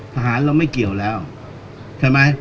ทหารเราไม่เกี่ยวแล้วใช่ไหม